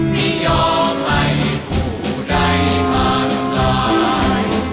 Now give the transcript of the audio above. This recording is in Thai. ไม่ยอมให้ผู้ใดบ้านกาย